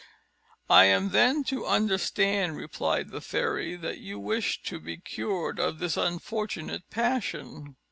"I am then to understand," replied the fairy, "that you wish to be cured of this unfortunate passion?"